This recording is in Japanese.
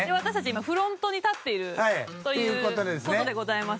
今フロントに立っているという事でございます。